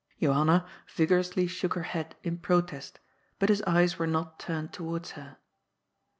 Johanna vigorously shook her head in protest, but his eyes were not turned towards her.